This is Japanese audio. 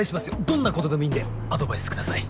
どんなことでもいいんでアドバイスください。